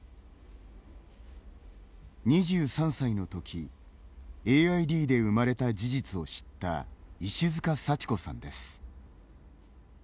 ２３歳のときＡＩＤで生まれた事実を知った石塚幸子さんです。